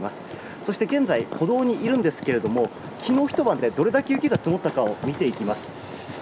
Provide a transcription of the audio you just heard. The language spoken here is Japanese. そして現在歩道にいるんですけれども昨日ひと晩でどれだけ雪が積もったか見ていきます。